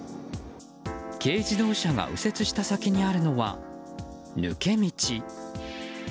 軽自動車が右折した先にあるのは抜け道。